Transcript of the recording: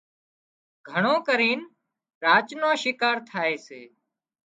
گھڻو ڪرينَ راچ نان شڪار ٿائي سي